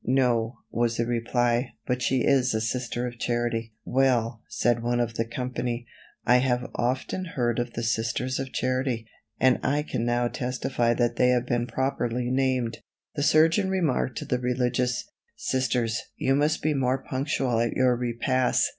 "No," was the reply; "but she is a Sister of Charity." "Well," said one of the company, "I have often heard of the Sisters of Charity, and I can now testify that they have been properly named." The surgeon remarked to the religious: "Sisters, you must be more punctual at your repast.